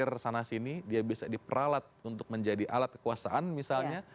dia bisa di setir sana sini dia bisa di peralat untuk menjadi alat kekuasaan misalnya